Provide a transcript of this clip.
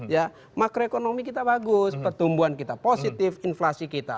ya makroekonomi kita bagus pertumbuhan kita positif inflasi kita